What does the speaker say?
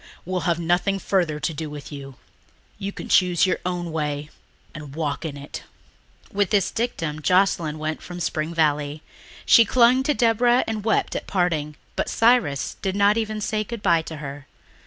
We'll have nothing further to do with you. You can choose your own way and walk in it." With this dictum Joscelyn went from Spring Valley. She clung to Deborah and wept at parting, but Cyrus did not even say goodbye to her.